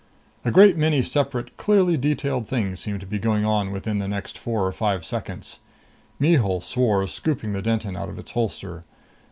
A great many separate, clearly detailed things seemed to be going on within the next four or five seconds. Mihul swore, scooping the Denton out of its holster.